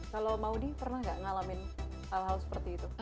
kalo maudie pernah ga ngalamin hal hal seperti itu